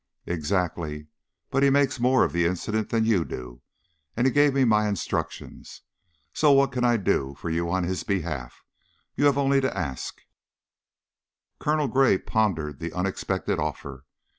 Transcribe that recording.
"Exactly. But he makes more of the incident than you do, and he gave me my instructions. So what can I do for you on his behalf? You have only to ask." Gray pondered the unexpected offer.